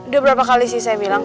udah berapa kali sih saya bilang